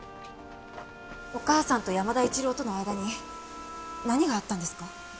お母さんと山田一郎との間に何があったんですか？